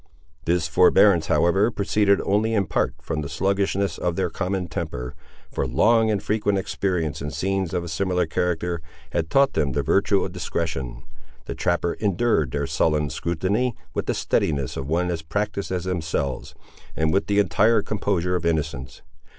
This forbearance, however, proceeded only in part, from the sluggishness of their common temper; for long and frequent experience in scenes of a similar character, had taught them the virtue of discretion. The trapper endured their sullen scrutiny with the steadiness of one as practised as themselves, and with the entire composure of innocence.